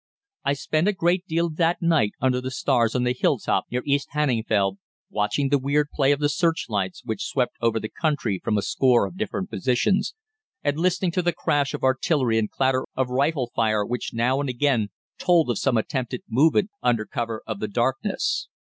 "I spent a great part of that night under the stars on the hilltop near East Hanningfield, watching the weird play of the searchlights which swept over the country from a score of different positions, and listening to the crash of artillery and clatter of rifle fire which now and again told of some attempted movement under cover of the darkness.